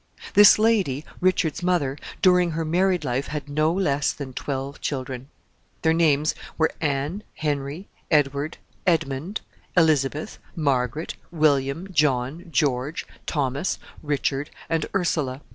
This lady, Richard's mother, during her married life, had no less than twelve children. Their names were Anne, Henry, Edward, Edmund, Elizabeth, Margaret, William, John, George, Thomas, Richard, and Ursula.